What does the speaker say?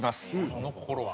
その心は？